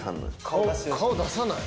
顔出さない。